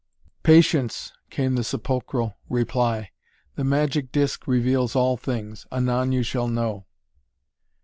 "Patience!" came the sepulchral reply. "The magic disk reveals all things! Anon you shall know."